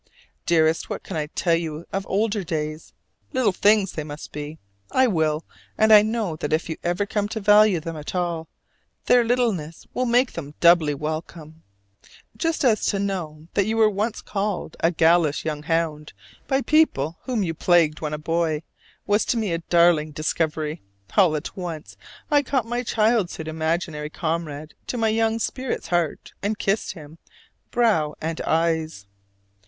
Dearest, what I can tell you of older days, little things they must be I will: and I know that if you ever come to value them at all, their littleness will make them doubly welcome: just as to know that you were once called a "gallous young hound" by people whom you plagued when a boy, was to me a darling discovery: all at once I caught my childhood's imaginary comrade to my young spirit's heart and kissed him, brow and eyes.